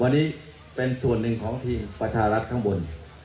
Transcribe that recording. วันนี้เป็นส่วนหนึ่งของทีมประชารัฐข้างบน